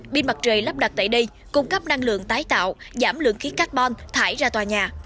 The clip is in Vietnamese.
pin mặt trời lắp đặt tại đây cung cấp năng lượng tái tạo giảm lượng khí carbon thải ra tòa nhà